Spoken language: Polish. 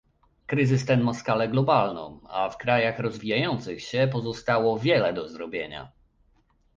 Kryzys ten ma skalę globalną, a w krajach rozwijających się pozostało wiele do zrobienia